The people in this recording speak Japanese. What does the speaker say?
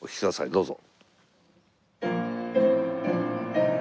どうぞ。